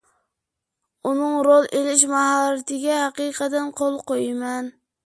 ئۇنىڭ رول ئېلىش ماھارىتىگە ھەقىقەتەن قول قويىمەن.